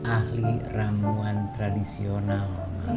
ahli ramuan tradisional